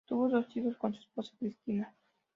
Tuvo dos hijos con su esposa Cristina.